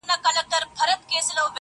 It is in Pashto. • ورور له کلي لرې کيږي ډېر..